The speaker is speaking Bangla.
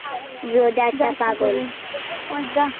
জন্মের পরপরই ইনি তার মায়ের অনুমতি নিয়ে তপস্যার জন্য যাত্রা করে।।